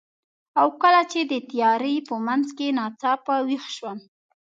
او کله چې د تیارې په منځ کې ناڅاپه ویښ شوم،